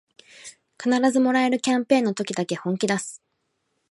必ずもらえるキャンペーンの時だけ本気だす